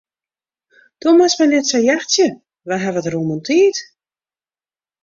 Do moatst my net sa jachtsje, we hawwe it rûm oan tiid.